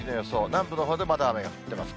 南部のほうでまだ雨が降っています。